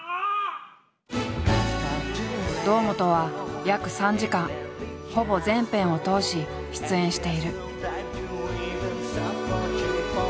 堂本は約３時間ほぼ全編を通し出演している。